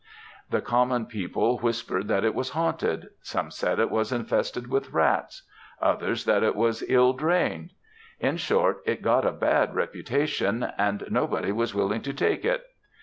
The common people whispered that it was haunted; some said it was infested with rats; others that it was ill drained; in short, it got a bad reputation, and nobody was willing to take it.